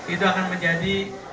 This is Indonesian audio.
itu akan menjadi